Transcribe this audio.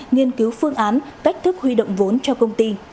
nghiên cứu phương án cách thức huy động vốn cho công ty